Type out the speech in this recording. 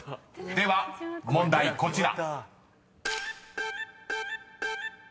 ［では問題こちら］